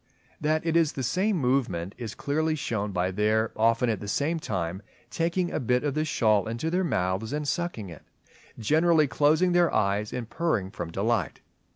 That it is the same movement is clearly shown by their often at the same time taking a bit of the shawl into their mouths and sucking it; generally closing their eyes and purring from delight.